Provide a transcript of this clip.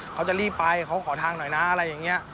เขาจะรีบไปเขาขอทางหน่อยนะอะไรอย่างนี้